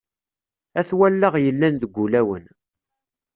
At wallaɣ yellan deg ul-awen.